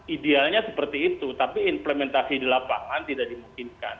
idealnya seperti itu tapi implementasi di lapangan tidak dimungkinkan